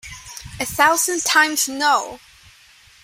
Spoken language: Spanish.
A Thousand Times No!!